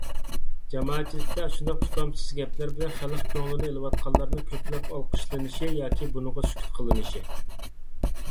جامائەتچىلىكتە ئاشۇنداق تۇتامسىز گەپلەر بىلەن خەلق كۆڭلىنى ئېلىۋاتقانلارنىڭ كۆپلەپ ئالقىشلىنىشى ياكى بۇنىڭغا سۈكۈت قىلىنىشى.